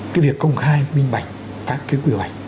cái việc công khai minh bạch các cái quy hoạch